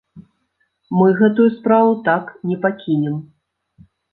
Мы гэтую справу так не пакінем.